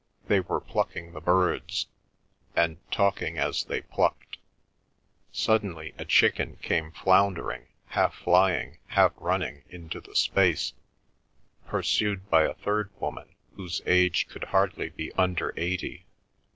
They were plucking the birds, and talking as they plucked. Suddenly a chicken came floundering, half flying, half running into the space, pursued by a third woman whose age could hardly be under eighty.